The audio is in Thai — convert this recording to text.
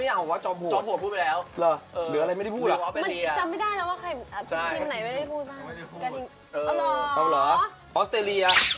ไอนัทกับพี่มึงเอาไว้สิ